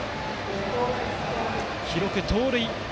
記録、盗塁。